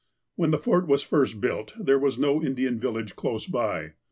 When the Fort was first built there was no Indian vil lage close by.